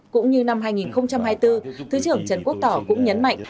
cũng như năm hai nghìn hai mươi bốn thứ trưởng trần quốc tỏ cũng nhấn mạnh